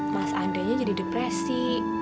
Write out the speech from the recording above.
mas andre nya jadi depresi